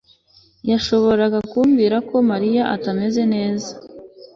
yashoboraga kubwira ko mariya atameze neza